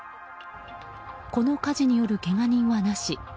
この火事によるけが人はなし。